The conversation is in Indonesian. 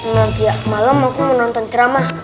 nanti ya malam aku mau nonton drama